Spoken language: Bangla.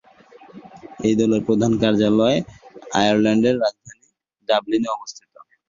এই দলের প্রধান কার্যালয় আয়ারল্যান্ডের রাজধানী ডাবলিনে অবস্থিত।